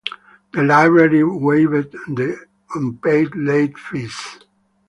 The library waived the unpaid late-fees.